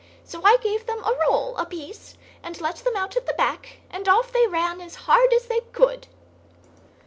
So I gave them a roll a piece, and let them out at the back, and off they ran, as hard as they could!"